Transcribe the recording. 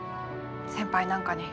先輩なんかに。